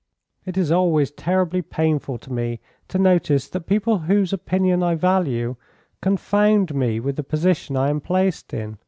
"It is always terribly painful to me to notice that people whose opinion I value confound me with the position I am placed in."